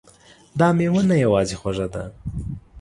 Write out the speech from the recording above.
دا میوه نه یوازې خوږه ده